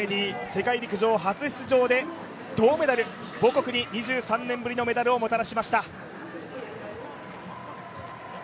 世界陸上初出場で銅メダル、母国に２３年ぶりのメダルをもたらしました。